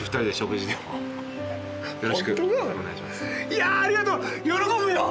いやありがとう喜ぶよ！